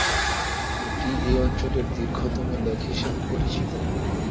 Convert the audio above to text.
এটি এ অঞ্চলের দীর্ঘতম লেক হিসেবে পরিচিত।